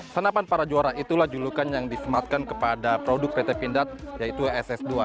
senapan para juara itulah julukan yang disematkan kepada produk pt pindad yaitu ss dua